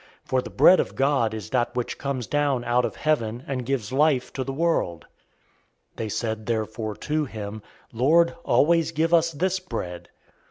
006:033 For the bread of God is that which comes down out of heaven, and gives life to the world." 006:034 They said therefore to him, "Lord, always give us this bread."